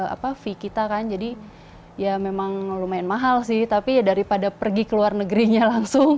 apa fee kita kan jadi ya memang lumayan mahal sih tapi ya daripada pergi ke luar negerinya langsung